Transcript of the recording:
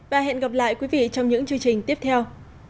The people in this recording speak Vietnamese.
và hẹn gặp lại quý vị trong những chương trình tiếp theo